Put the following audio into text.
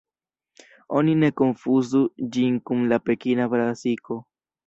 Oni ne konfuzu ĝin kun la Pekina brasiko.